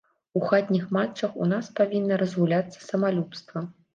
У хатніх матчах ў нас павінна разгуляцца самалюбства.